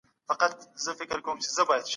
سرچینې باید په ګټوره توګه مدیریت سي.